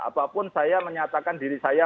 apapun saya menyatakan diri saya